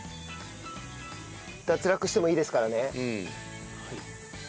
脱落してもいいですからね。